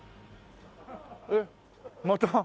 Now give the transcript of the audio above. えっ？また。